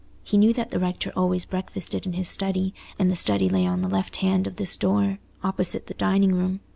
He knew that the rector always breakfasted in his study, and the study lay on the left hand of this door, opposite the dining room.